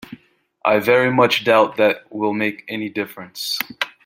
I very much doubt that that will make any difference.